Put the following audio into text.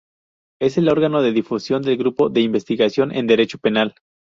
Es el órgano de difusión del grupo de investigación en derecho penal.